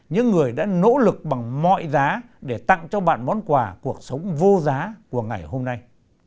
những người đã nỗ lực bằng mọi giá để tặng cho bạn món quà cuộc sống vô giá của ngày hôm nay